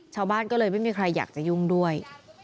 ชาวบ้านก็เลยไม่มีใครอยากจะยุ่งด้วย